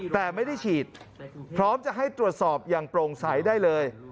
แต่ไม่ได้ฉีดพร้อมจะให้ตรวจสอบอย่างโปร่งใสได้เลย